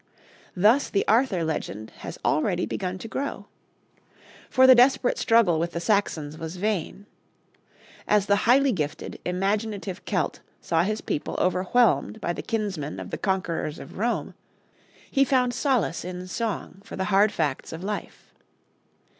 Thus the Arthur legend has already begun to grow. For the desperate struggle with the Saxons was vain. As the highly gifted, imaginative Celt saw his people overwhelmed by the kinsmen of the conquerors of Rome, he found solace in song for the hard facts of life.